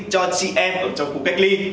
cho chị em ở trong khu cách ly